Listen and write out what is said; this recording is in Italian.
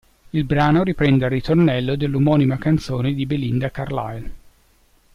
Il brano riprende il ritornello dell'omonima canzone di Belinda Carlisle.